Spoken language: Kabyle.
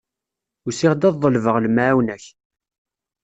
Usiɣ-d ad ḍelbeɣ lemεawna-k.